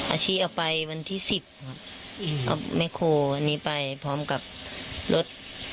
อาชีพเอาไปวันที่สิบครับเอาแม่โควันนี้ไปพร้อมกับรถ